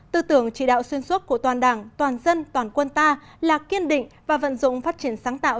tư tưởng chỉ đạo xuyên suốt của toàn đảng toàn dân toàn quân ta là kiên định và vận dụng phát triển sáng tạo